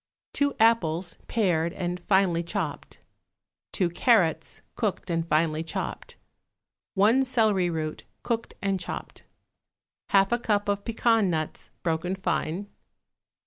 2 apples, pared and finely chopped. 2 carrots, cooked and finely chopped. 1 celery root, cooked and chopped. 1/2 a cup of pecan nuts, broken fine.